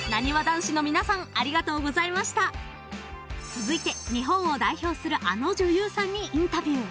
［続いて日本を代表するあの女優さんにインタビュー］